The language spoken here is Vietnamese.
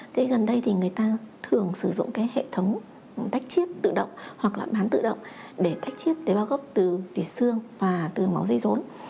thế gần đây thì người ta thường sử dụng cái hệ thống tách chiết tự động hoặc là bán tự động để tách chiết tế bào gốc từ tùy xương và từ máu dây rốn